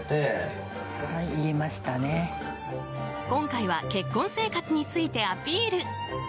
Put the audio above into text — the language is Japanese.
今回は結婚生活についてアピール。